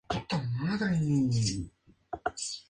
Clarín se encargará de escribir su necrológica.